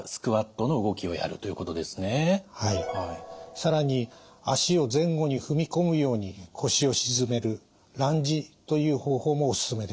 更に足を前後に踏み込むように腰を沈めるランジという方法もおすすめです。